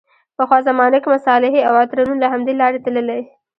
پخوا زمانو کې مصالحې او عطرونه له همدې لارې تللې.